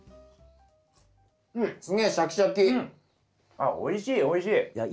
あっおいしいおいしい。